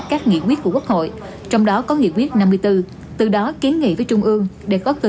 các nghị quyết của quốc hội trong đó có nghị quyết năm mươi bốn từ đó kiến nghị với trung ương để có từ